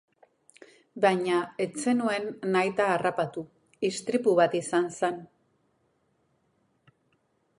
Baina ez zenuen nahita harrapatu, istripu bat izan zen.